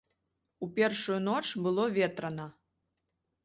У першую ноч было ветрана.